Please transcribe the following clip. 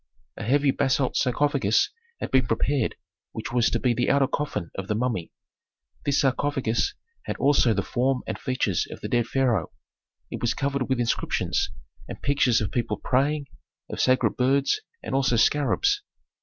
A heavy basalt sarcophagus had been prepared which was to be the outer coffin of the mummy. This sarcophagus had also the form and features of the dead pharaoh. It was covered with inscriptions, and pictures of people praying, of sacred birds and also scarabs.